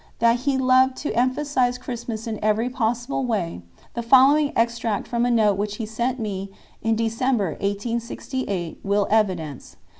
That he loved to emphasize Christmas in every possible way, the following extract from a note which he sent me in December, 1868, will evidence.